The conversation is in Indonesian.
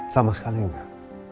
sama sekali enggak